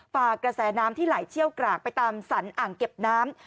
ฝากระแสน้ำที่ไหลเชี่ยวกรากไปตามสรรอ่างเก็บน้ำ